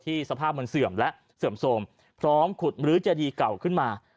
สภาพมันเสื่อมและเสื่อมโทรมพร้อมขุดลื้อเจดีเก่าขึ้นมา